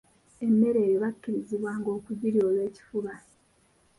Emmere eyo bakkirizibwanga okugirya olw’ekifuba.